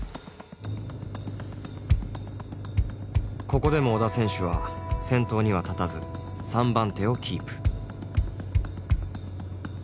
ここでも織田選手は先頭には立たず３番手をキープ。